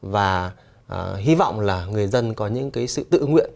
và hy vọng là người dân có những cái sự tự nguyện